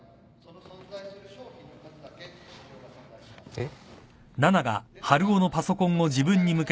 えっ？